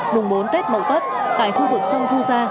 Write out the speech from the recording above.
mùng bốn tết mậu tuất tại khu vực sông thu gia